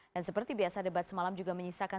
dan seperti biasa debat semalam juga menyisakan